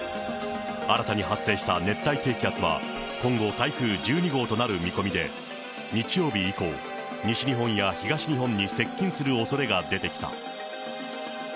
新たに発生した熱帯低気圧は、今後、台風１２号となる見込みで、日曜日以降、西日本や東日本に接近するおそれが出てきた。